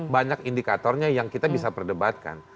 banyak indikatornya yang kita bisa perdebatkan